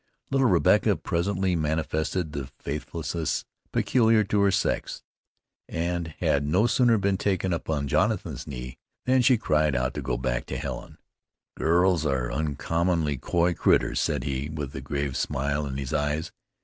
Little Rebecca presently manifested the faithlessness peculiar to her sex, and had no sooner been taken upon Jonathan's knee than she cried out to go back to Helen. "Girls are uncommon coy critters," said he, with a grave smile in his eyes.